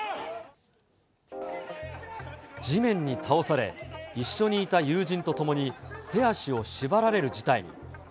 地面に倒され、一緒にいた友人と共に、手足を縛られる事態に。